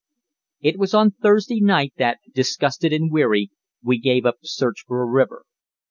It was on Thursday night that, disgusted and weary, we gave up the search for a river.